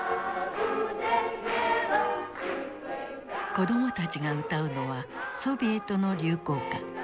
子供たちが歌うのはソビエトの流行歌。